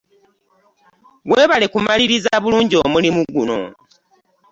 Webale kumaliriza bulungi omulimu guno.